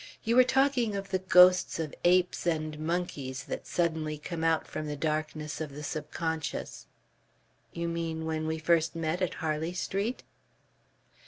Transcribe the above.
"You were talking of the ghosts of apes and monkeys that suddenly come out from the darkness of the subconscious...." "You mean when we first met at Harley Street?"